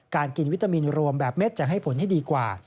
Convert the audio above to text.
การกินวิตามินรวมแบบเม็ดจะให้ผลให้ดีกว่า